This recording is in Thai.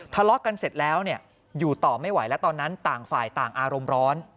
ทะเลาะกันเสร็จแล้วอยู่ต่อไม่ไหวและตอนนั้นต่างฝ่ายต่างอารมณ์ร้อน